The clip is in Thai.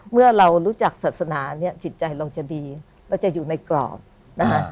เมื่อเรารู้จักศาสนาเนี่ยจิตใจเราจะดีเราจะอยู่ในกรอบนะคะ